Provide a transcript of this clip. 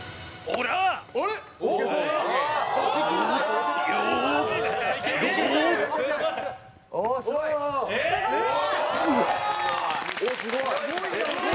おっすごい！